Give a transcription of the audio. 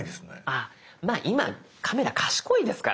ああまぁ今カメラ賢いですからね。